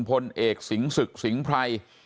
พลเอกสิงศึกสิงห์ไพร